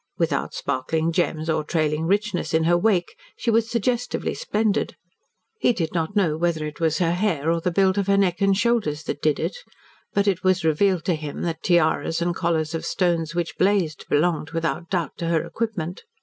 Without sparkling gems or trailing richness in her wake, she was suggestively splendid. He did not know whether it was her hair or the build of her neck and shoulders that did it, but it was revealed to him that tiaras and collars of stones which blazed belonged without doubt to her equipment.